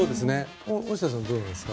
大下さんどうなんですか？